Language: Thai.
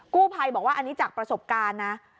กู้ภัยบอกว่าอันนี้จากประสบการณ์นะ